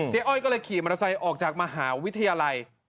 อ้อยก็เลยขี่มอเตอร์ไซค์ออกจากมหาวิทยาลัย